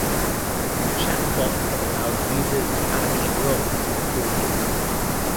A chatbot that allows users to allocate roles for the board game